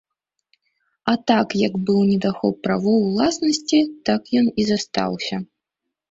А так як быў недахоп правоў уласнасці, так ён і застаўся.